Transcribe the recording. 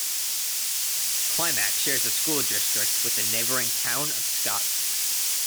Climax shares a school district with the neighboring town of Scotts.